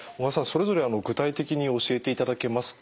それぞれ具体的に教えていただけますか？